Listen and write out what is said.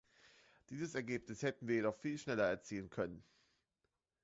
Dieses Ergebnis hätten wir jedoch viel schneller erzielen können.